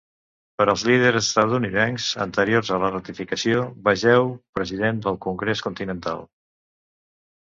Per als líders estatunidencs anteriors a la ratificació, vegeu President del Congrés Continental.